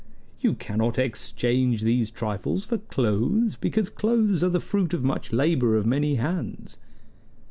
You cannot exchange these trifles for clothes, because clothes are the fruit of much labor of many hands."